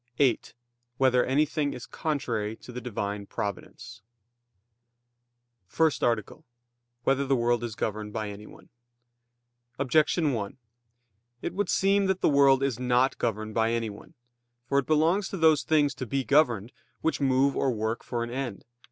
(8) Whether anything is contrary to the Divine Providence? _______________________ FIRST ARTICLE [I, Q. 103, Art. 1] Whether the World Is Governed by Anyone? Objection 1: It would seem that the world is not governed by anyone. For it belongs to those things to be governed, which move or work for an end.